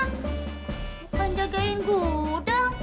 bukan jagain gudang